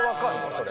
それ。